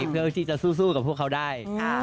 เพื่อที่จะสู้กับพวกเขาได้